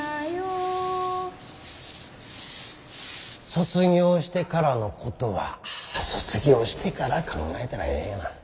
卒業してからのことは卒業してから考えたらええがな。